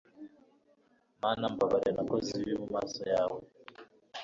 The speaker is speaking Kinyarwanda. mana mbabarira nakoze ibibi mu maso yawe